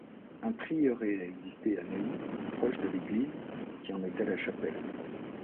Un prieuré a existé à Neuilly, proche de l'église, qui en était la chapelle.